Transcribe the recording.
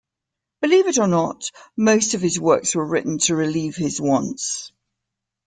Believe it or not most of his works were written to relieve his wants.